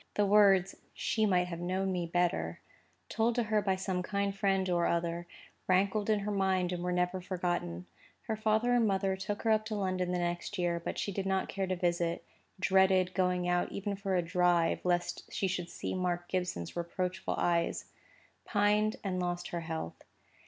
The words, "She might have known me better," told to her by some kind friend or other, rankled in her mind, and were never forgotten. Her father and mother took her up to London the next year; but she did not care to visit—dreaded going out even for a drive, lest she should see Mark Gibson's reproachful eyes—pined and lost her health.